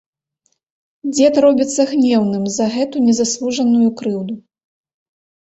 Дзед робіцца гнеўным за гэту незаслужаную крыўду.